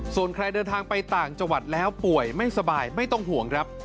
ส่วนใครเดินทางไปต่างจังหวัดแล้วป่วยไม่สบายไม่ต้องห่วงครับ